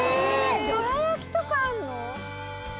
どら焼きとかあるの？